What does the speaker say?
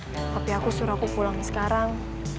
tapi aku suruh aku pulang sekarang